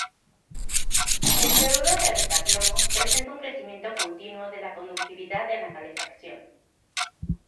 El fluoruro de beta-plomo presenta un crecimiento continuo de la conductividad en la calefacción.